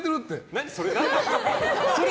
何それ？